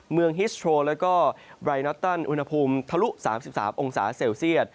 เมืองฮิสโทรและก็บรายนอตเติ้ลอุณหภูมิทะลุ๓๓องศาเซลเซียต